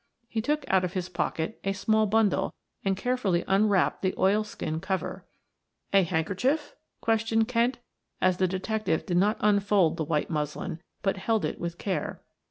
He took out of his pocket a small bundle and carefully unwrapped the oil skin cover. "A handkerchief?" questioned Kent as the detective did not unfold the white muslin, but held it with care.